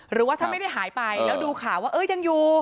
หรือว่าถ้าไม่ได้หายไปแล้วดูข่าวว่ายังอยู่